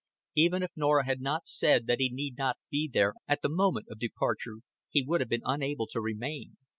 Even if Norah had not said that he need not be there at the moment of departure, he would have been unable to remain.